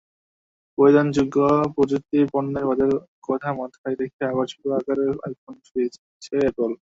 পরিধানযোগ্য প্রযুক্তিপণ্যের বাজারের কথা মাথায় রেখে আবার ছোট আকারের আইফোনে ফিরেছে অ্যাপল।